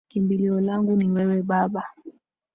Kimbilio langu ni wewe baba